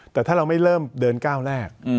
แต่ถ้าเราไม่เริ่มเดินก้าวแรก